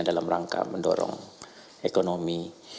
dalam rangka mendorong ekonomi